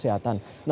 risiko itu tetap ada